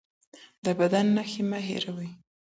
د بدن نښې مه هېروه